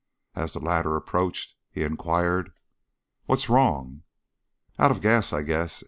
As the latter approached, he inquired: "What's wrong?" "Out of gas, I guess.